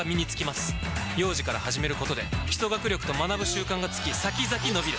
幼児から始めることで基礎学力と学ぶ習慣がつき先々のびる！